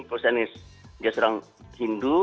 kalau dia seorang hindu